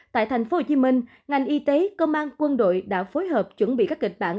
tại tp hcm ngành y tế công an quân đội đã phối hợp chuẩn bị các kịch bản